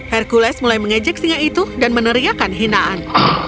hercules mulai mengejek singa itu dan meneriakan hinaan